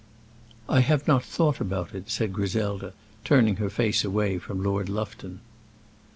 "I have not thought about it," said Griselda, turning her face away from Lord Lufton.